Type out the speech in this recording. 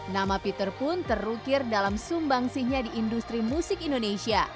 nama peter pun terukir dalam sumbangsihnya di industri musik indonesia